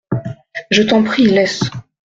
Je t'en prie, laisse.